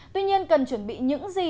tuy nhiên cần chuẩn bị những gì